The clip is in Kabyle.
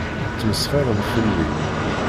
Ttmesxiṛen fell-i.